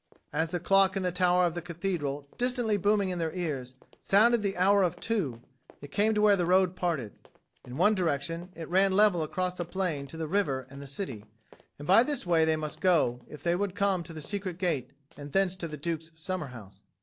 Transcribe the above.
As the clock in the tower of the cathedral, distantly booming in their ears, sounded the hour of two, they came to where the road parted. In one direction it ran level across the plain to the river and the city, and by this way they must go, if they would come to the secret gate and thence to the Duke's summer house.